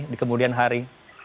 di kemudian hari